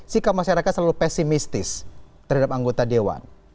sikap masyarakat selalu pesimistis terhadap anggota dewan